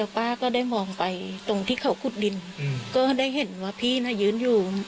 ป้าก็ได้มองไปตรงที่เขาขุดดินก็ได้เห็นว่าพี่น่ะยืนอยู่